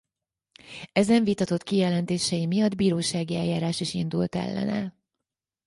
Ezen vitatott kijelentései miatt bírósági eljárás is indult ellene.